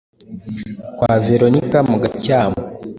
kwa Veronika mu Gacyamo,